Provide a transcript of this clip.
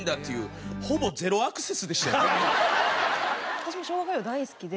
私も昭和歌謡大好きで。